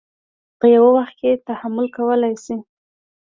په یوه وخت کې تحمل کولی شي.